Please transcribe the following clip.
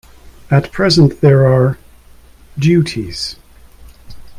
At present there are — duties.